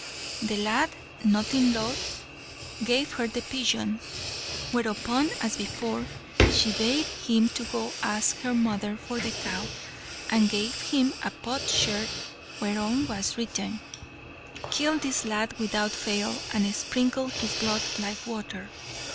The lad, nothing loth, gave her the pigeon; whereupon, as before, she bade him go ask her mother for the cow, and gave him a potsherd whereon was written "Kill this lad without fail, and sprinkle his blood like water!"